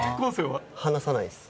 「はなさない」です。